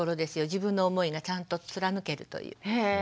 自分の思いがちゃんと貫けるという。